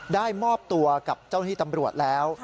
ได้มอบตัวกับเจ้าหน้าที่ตำรวจแล้ว